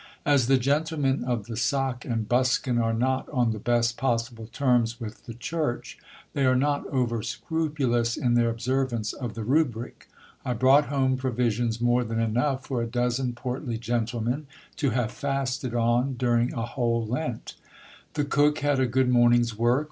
As the gentlemen of the sock and buskin are not on the best possible terms with the church, they are not over scrupulous in their observance of the rubric. I brought home provisions more than enough for a dozen portly gentlemen to have fasted on during a whole Lent The cook had a good morning's work.